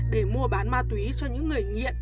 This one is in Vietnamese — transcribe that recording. để mua bán ma túy cho những người nghiện